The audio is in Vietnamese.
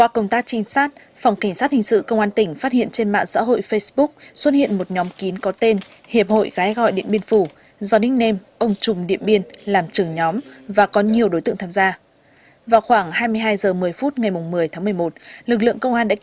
các bạn hãy đăng ký kênh để ủng hộ kênh của chúng mình nhé